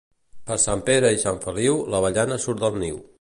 Per Sant Pere i Sant Feliu l'avellana surt del niu.